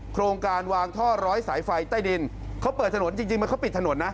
โครงการวางท่อร้อยสายไฟใต้ดินเขาเปิดถนนจริงจริงมันเขาปิดถนนนะ